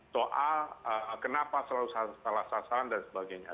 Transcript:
soal kenapa selalu salah sasaran dan sebagainya